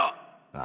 あ？